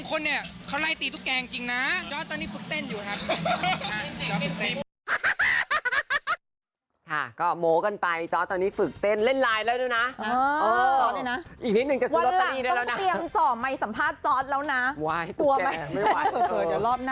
เขาไล่ตีทุกแก่จริงนะจอร์ดตอนนี้ฝึกเต้นอยู่ครับ